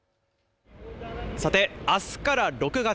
さて、あすから６月。